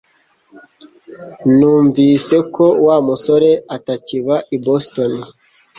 Numvise ko Wa musore atakiba i Boston